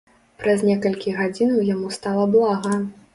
Праз некалькі гадзінаў яму стала блага.